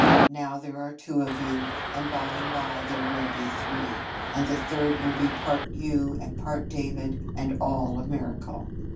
Now there are two of you and by and by there will be three, and the third will be part you and part David and all a miracle.